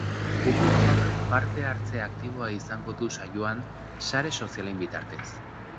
Publikoak parte-hartze aktiboa izango du saioan, sare sozialen bitartez.